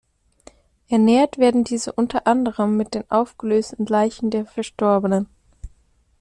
Ernährt werden diese unter anderem mit den aufgelösten Leichen der Verstorbenen.